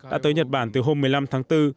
đã tới nhật bản từ hôm một mươi năm tháng bốn